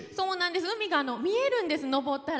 海が見えるんです、上ったら。